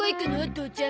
父ちゃん。